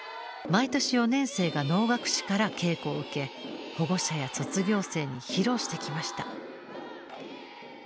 毎年４年生が能楽師から稽古を受け保護者や卒業生に披露してきました。